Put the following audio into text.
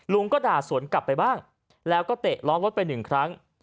ก็ด่าสวนกลับไปบ้างแล้วก็เตะล้อรถไปหนึ่งครั้ง